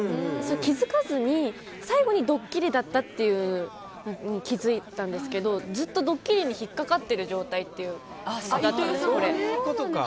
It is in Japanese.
気づかずに、最後にドッキリだったっていうのに気づいたんですけどずっとドッキリに引っかかってる状態だったんです。